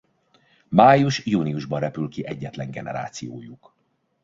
Május-júniusban repül ki egyetlen generációjuk.